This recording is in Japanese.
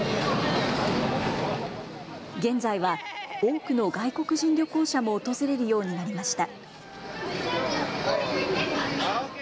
現在は多くの外国人旅行者も訪れるようになりました。